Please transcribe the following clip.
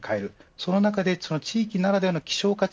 その中でその地域ならではの希少価値